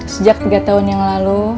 sejak tiga tahun yang lalu